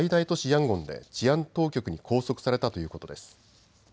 ヤンゴンで治安当局に拘束されたということです。